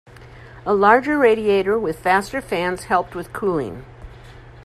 A larger radiator with faster fans helped with cooling.